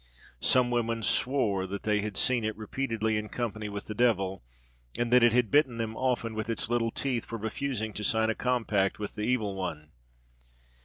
Some women swore that they had seen it repeatedly in company with the devil, and that it had bitten them often with its little teeth for refusing to sign a compact with the evil one.